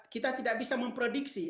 kita tidak bisa memprediksi